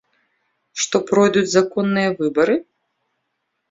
Што пройдуць законныя выбары?